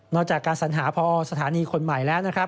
จากการสัญหาพอสถานีคนใหม่แล้วนะครับ